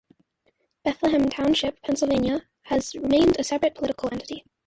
Bethlehem Township, Pennsylvania has remained a separate political entity.